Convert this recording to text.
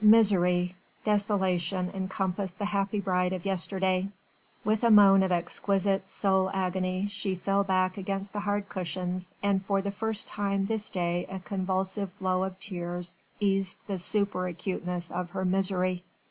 Misery! Desolation encompassed the happy bride of yesterday. With a moan of exquisite soul agony she fell back against the hard cushions, and for the first time this day a convulsive flow of tears eased the superacuteness of her misery.